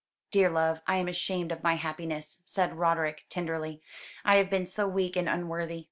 "Dear love, I am ashamed of my happiness," said Roderick tenderly. "I have been so weak and unworthy.